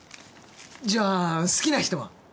じゃあ好きな人は？